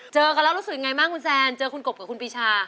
เจอกันแล้วรู้สึกยังไงบ้างคุณแซนเจอคุณกบกับคุณปีชา